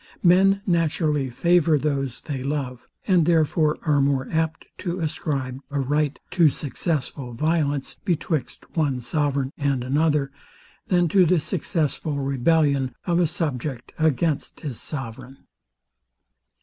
Men naturally favour those they love; and therefore are more apt to ascribe a right to successful violence, betwixt one sovereign and another, than to the successful rebellion of a subject against his sovereign.